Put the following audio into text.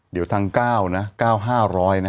เดี๋ยวทางเก้าเนี่ยเก้า๕๐๐นะ